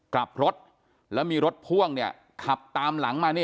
กลับรถแล้วมีรถภ่วงครับตามหลังมา